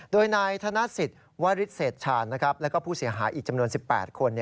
โดยนายธนสิทธิ์วริสเศษชาญและผู้เสียหายอีกจำนวน๑๘คน